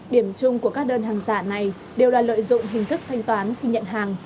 điểm chung của các đơn hàng giả này đều là lợi dụng hình thức thanh toán khi nhận hàng